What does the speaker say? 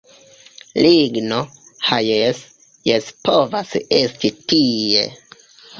Ligno, ha jes, jes povas esti tie